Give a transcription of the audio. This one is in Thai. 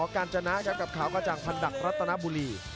การจนะครับกับขาวกระจ่างพันดักรัตนบุรี